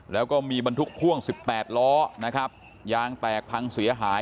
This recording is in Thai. แล้วก็มีบรรทุกพ่วง๑๘ล้อนะครับยางแตกพังเสียหาย